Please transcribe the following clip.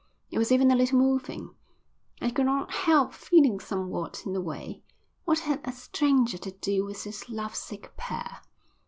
It was even a little moving, and I could not help feeling somewhat in the way. What had a stranger to do with this love sick pair?